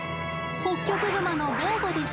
ホッキョクグマのゴーゴです。